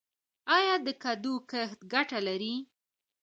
آیا د کدو کښت ګټه لري؟